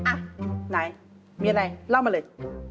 อ่ะไหนมีอะไรเล่ามาเลย